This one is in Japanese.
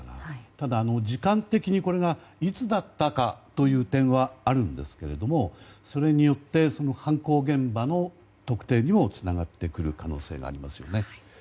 ただ、時間的にこれがいつだったかという点はあるんですがそれによって犯行現場の特定にもつながってくる可能性がありますよね。